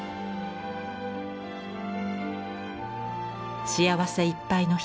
幸せいっぱいの日々。